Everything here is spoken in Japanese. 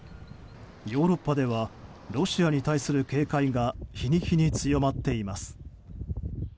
ヨーロッパではロシアに対する警戒が日に日に強まっています。